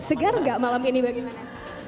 segar nggak malam ini bagaimana